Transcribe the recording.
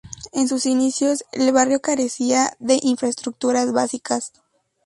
En sus inicios, el barrio carecía de infraestructuras básicas.